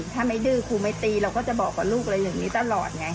ถ้าไม่ดื้อครูไม่ตีเราก็จะบอกกับลูกอะไรอย่างนี้ตลอดไง